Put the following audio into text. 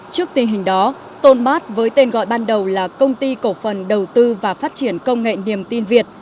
trước tình hình đó tôn mát với tên gọi ban đầu là công ty cổ phần đầu tư và phát triển công nghệ niềm tin việt